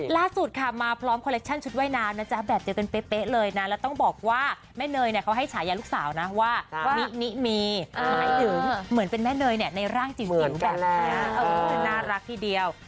ล่าสุดค่ะมาพร้อมคอลเคชั่นชุดว่ายน้ำนะจ๊ะแบบเจอกันเป๊ะเลยนะแล้วต้องบอกว่าแม่เนยเนี่ยเขาให้ฉายาลูกสาวนะว่ามินิมีหมายถึงเหมือนเป็นแม่เนยเนี่ยในร่างจิ๋วแบบนี้น่ารักทีเดียว